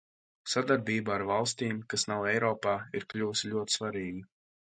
Sadarbība ar valstīm, kas nav Eiropā, ir kļuvusi ļoti svarīga.